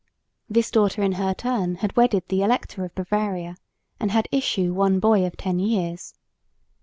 This daughter in her turn had wedded the Elector of Bavaria, and had issue one boy of ten years.